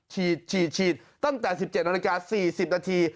ฉีดตั้งแต่๑๗นาฬิกา๔๐นาที